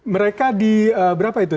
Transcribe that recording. mereka di berapa itu